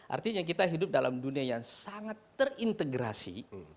artinya kita hidup dalam dunia yang sangat terintegrasi